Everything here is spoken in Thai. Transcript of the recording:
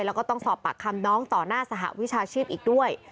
แล้วก็ต้องสอบปากคำน้องต่อหน้าสหวิชาชีพอีกด้วย